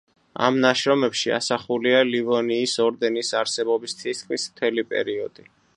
ამ ნაშრომებში ასახულია ლივონიის ორდენის არსებობის თითქმის მთელი პერიოდი.